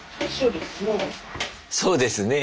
「そうですねえ」。